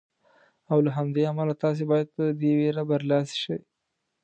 او له همدې امله تاسې باید په دې وېرې برلاسي شئ.